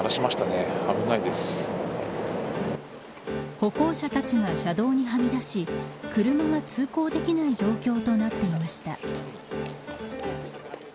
歩行者たちが車道にはみ出し車が通行できない状況となっていました。